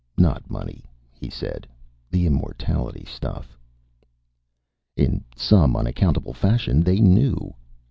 "Not money," he said. "The immortality stuff." In some unaccountable fashion, they knew.